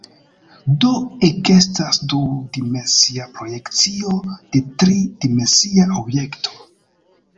Do ekestas du-dimensia projekcio de tri-dimensia objekto.